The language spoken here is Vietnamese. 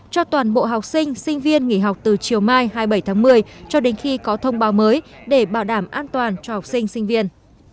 cho toàn bộ học sinh sinh viên nghỉ học từ chiều mai hai mươi bảy tháng một mươi cho đến khi có thông báo mới để bảo đảm an toàn cho học sinh sinh viên